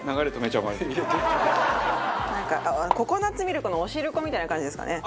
なんかココナッツミルクのおしるこみたいな感じですかね。